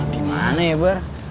di mana ya bar